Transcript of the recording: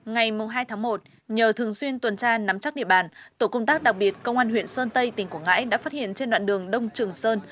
ngày hai tháng một nhờ thường xuyên tuần tra nắm chắc địa bàn tổ công tác đặc biệt công an huyện sơn tây tỉnh quảng ngãi đã phát hiện trên đoạn đường đông trường sơn